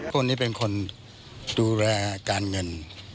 คนนี้เป็นคนดูแลการเงิน